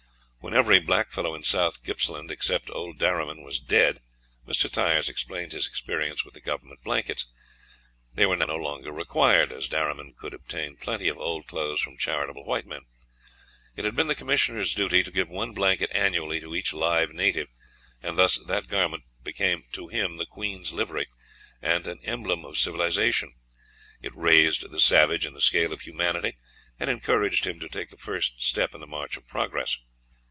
When every blackfellow in South Gippsland, except old Darriman, was dead, Mr. Tyers explained his experience with the Government blankets. They were now no longer required, as Darriman could obtain plenty of old clothes from charitable white men. It had been the commissioner's duty to give one blanket annually to each live native, and thus that garment became to him the Queen's livery, and an emblem of civilisation; it raised the savage in the scale of humanity and encouraged him to take the first step in the march of progress.